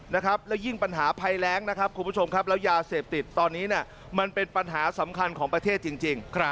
แล้วยิ่งปัญหาภัยแรงนะครับคุณผู้ชมครับแล้วยาเสพติดตอนนี้มันเป็นปัญหาสำคัญของประเทศจริง